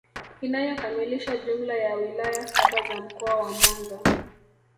inayokamilisha jumla ya wilaya saba za Mkoa wa Mwanza